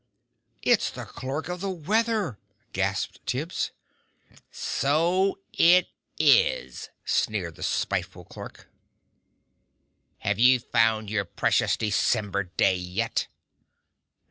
"It's the Clerk of the Weather!" gasped Tibbs. "So it is!" sneered the spiteful Clerk. "Have you found your precious December day yet?"